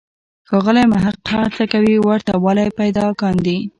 ښاغلی محق هڅه کوي ورته والی پیدا کاندي.